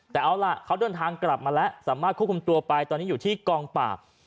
แต่เอาล่ะเขาเดินทางกลับมาแล้วสามารถควบคุมตัวไปตอนนี้อยู่ที่กองปราบ